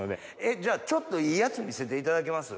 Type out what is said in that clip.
じゃちょっといいやつ見せていただけます？